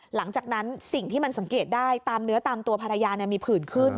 หลังจากนั้นสิ่งที่มันสังเกตได้ตามเนื้อตามตัวภรรยามีผื่นขึ้น